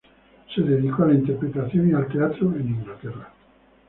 Se dedicó a la interpretación y el teatro en Inglaterra.